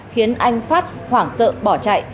khiến anh phát hoảng sợ bỏ chạy